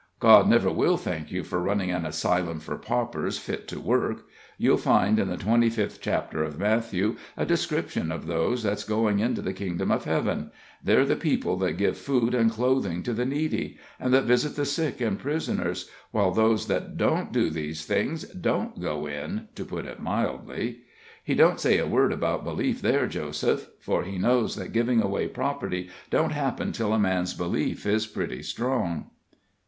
God never'll thank you for running an asylum for paupers fit to work. You'll find in the twenty fifth chapter of Matthew a description of those that's going into the kingdom of heaven they're the people that give food and clothing to the needy, and that visit the sick and prisoners, while those that don't do these things don't go in, to put it mildly. He don't say a word about belief there, Joseph; for He knows that giving away property don't happen till a man's belief is pretty strong."